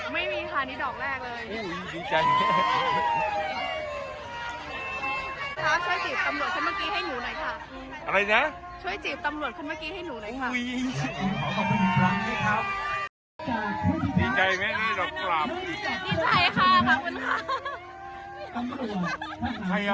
ไม่มีค่ะนี่ดอกแรกเลย